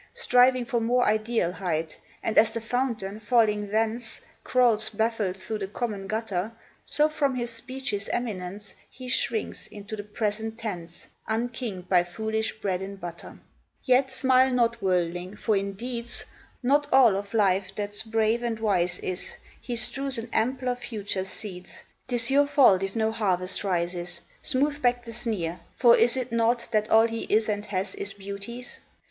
Striving for more ideal height; And as the fountain, falling thence, Crawls baffled through the common gutter So, from his speech's eminence, He shrinks into the present tense, Unkinged by foolish bread and butter. Yet smile not, worldling, for in deeds Not all of life that's brave and wise is; He strews an ampler future's seeds, 'Tis your fault if no harvest rises; Smooth back the sneer; for is it naught That all he is and has is Beauty's?